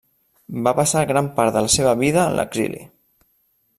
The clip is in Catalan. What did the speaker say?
Va passar gran part de la seva vida en l'exili.